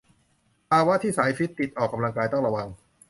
ภาวะที่สายฟิตติดออกกำลังกายต้องระวัง